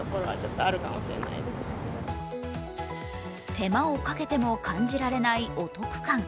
手間をかけても感じられないお得感。